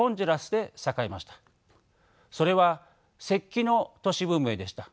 それは石器の都市文明でした。